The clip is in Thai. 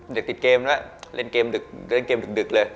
เด็กติดเกมด้วยเล่นเกมดึกเลย